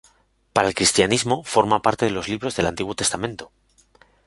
Para el cristianismo, forma parte de los libros del Antiguo Testamento.